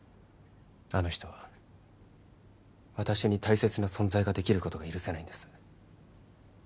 あの人は私に大切な存在ができることが許せないんです